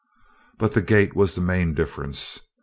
But the gait was the main difference.